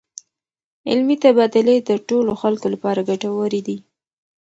علمي تبادلې د ټولو خلکو لپاره ګټورې دي.